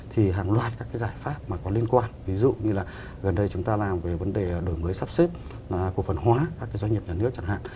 thì hàng loạt các cái giải pháp mà có liên quan ví dụ như là gần đây chúng ta làm về vấn đề đổi mới sắp xếp cổ phần hóa các cái doanh nghiệp nhà nước chẳng hạn